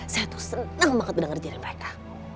saya tuh seneng banget berdengar jari mereka